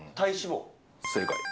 正解。